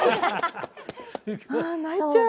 あ泣いちゃう。